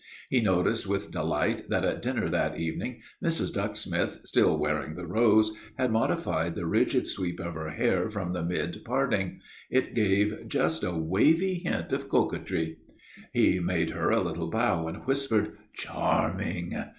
He noticed with delight that at dinner that evening Mrs. Ducksmith, still wearing the rose, had modified the rigid sweep of her hair from the mid parting. It gave just a wavy hint of coquetry. He made her a little bow and whispered, "Charming!"